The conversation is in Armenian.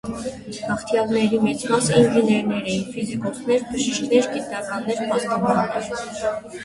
Գաղթյալների մեծ մասը ինժեներներ էին, ֆիզիկոսներ, բժիշկներ, գիտնականներ, փաստաբաններ։